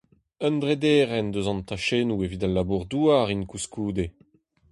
Un drederenn eus an tachennoù evit al labour-douar int koulskoude.